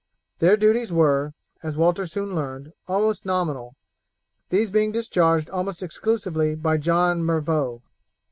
Their duties were, as Walter soon learned, almost nominal, these being discharged almost exclusively by John Mervaux.